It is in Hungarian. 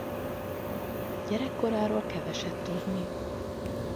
Gyerekkoráról keveset tudni.